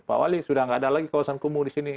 pak wali sudah tidak ada lagi kawasan kumuh di sini